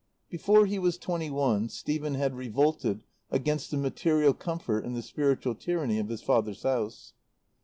Before he was twenty one Stephen had revolted against the material comfort and the spiritual tyranny of his father's house.